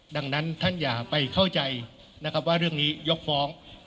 ดังนั้นท่านอย่าไปเข้าใจนะครับว่าเรื่องนี้ยกฟ้อง